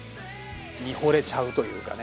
見ほれちゃうというかね